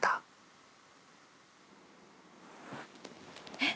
「えっ？」